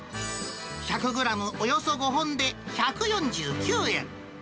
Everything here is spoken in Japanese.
１００グラムおよそ５本で１４９円。